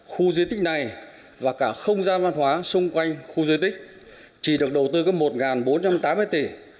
khu diên tích này và cả không gian văn hóa xung quanh khu diên tích chỉ được đầu tư cấp một bốn trăm tám mươi tỷ